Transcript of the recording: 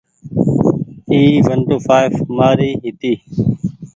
اي ونٽوڦآئڦ مآري هيتي ۔